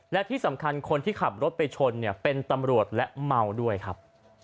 และที่สำคัญคนที่ขับรถไปชนเนี่ยเป็นตำรวจและเมาด้วยครับ